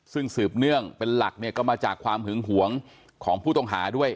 ซึ่งสืบเนื่องเป็นหลักเนี่ยก็มาจากความหึงหวงของผู้ต้องหาด้วย